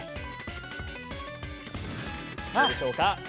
どうでしょうか。